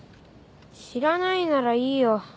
知らないならいいよ。